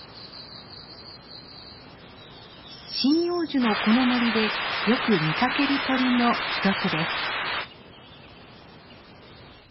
針葉樹のこの森でよく見かける鳥の一つです。